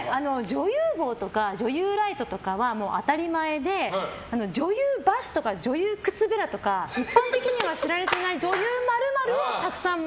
女優帽とか女優ライトとかは当たり前で女優箸とか女優靴べらとか一般的には知られていない女優